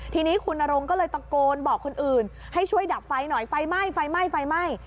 ทีนี้คุณนรงก็เลยตะโกนบอกคนอื่นให้ช่วยดับไฟหน่อยไฟไหม้ไฟไหม้ไฟไหม้